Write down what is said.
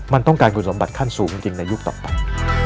มันต้องการคุณสมบัติขั้นสูงจริงในยุคต่อไป